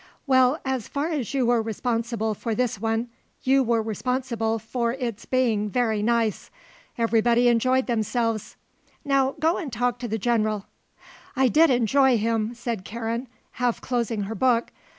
"Well, as far as you were responsible for this one you were responsible for its being very nice. Everybody enjoyed themselves. Now go and talk to the General." "I did enjoy him," said Karen, half closing her book.